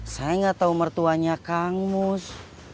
saya nggak tahu mertuanya kang mus